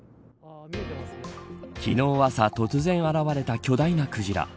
昨日朝突然、現れた巨大なクジラ。